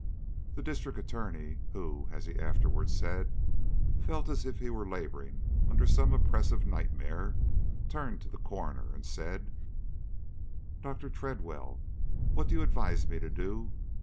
The District Attorney, who, as he afterward said, felt as if he were laboring under some oppressive nightmare, turned to the coroner and said: "Dr. Tredwell, what do you advise me to do?